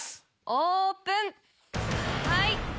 オープン！